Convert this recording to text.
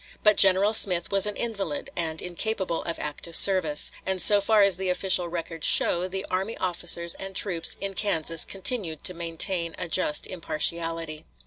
But General Smith was an invalid, and incapable of active service, and so far as the official records show, the army officers and troops in Kansas continued to maintain a just impartiality.